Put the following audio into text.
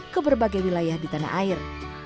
ke berbagai wilayah di tanah air